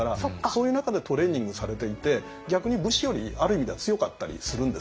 そういう中でトレーニングされていて逆に武士よりある意味では強かったりするんですよね。